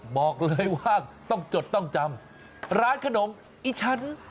บอกเลยว่าต้องจดต้องจำร้านขนมอีฉัน